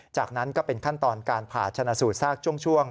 จากนั้นก็เป็นขั้นตอนการผ่าชนะสูตรซากช่วง